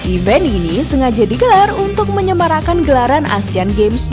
event ini sengaja digelar untuk menyemarakan gelaran asean games dua ribu delapan belas